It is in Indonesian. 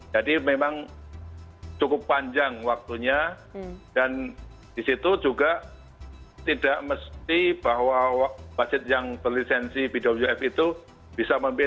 jadi memang cukup panjang waktunya dan di situ juga tidak mesti bahwa wasit yang berlisensi bwf itu bisa memimpin